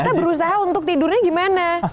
kita berusaha untuk tidurnya gimana